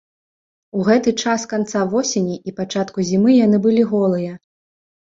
У гэты час канца восені і пачатку зімы яны былі голыя.